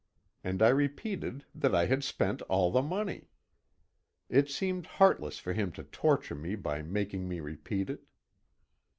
and I repeated that I had spent all the money. It seemed heartless for him to torture me by making me repeat it.